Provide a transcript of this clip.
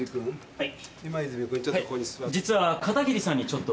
はい。